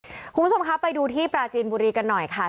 คุณผู้ชมคะไปดูที่ปราจีนบุรีกันหน่อยค่ะ